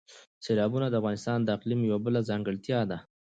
سیلابونه د افغانستان د اقلیم یوه بله ځانګړتیا ده.